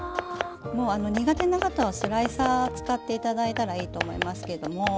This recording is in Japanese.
苦手な方はスライサー使っていただいたらいいと思いますけども。